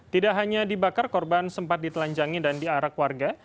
tidak hanya dibakar korban sempat ditelanjangi dan diarak warga